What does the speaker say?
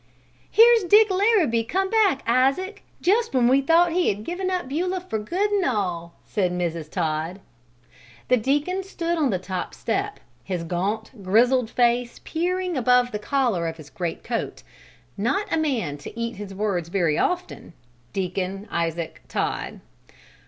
"Here's Dick Larrabee come back, Isaac, just when we thought he had given up Beulah for good an' all!" said Mrs. Todd. The Deacon stood on the top step, his gaunt, grizzled face peering above the collar of his great coat; not a man to eat his words very often, Deacon Isaac Todd.